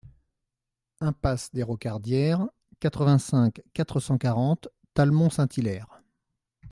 Impasse des Rocardières, quatre-vingt-cinq, quatre cent quarante Talmont-Saint-Hilaire